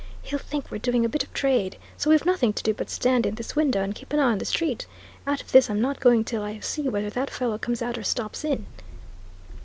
"He'll think we're doing a bit of trade, so we've nothing to do but stand in this window and keep an eye on the street. Out of this I'm not going till I see whether that fellow comes out or stops in!"